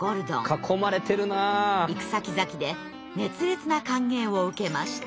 行くさきざきで熱烈な歓迎を受けました。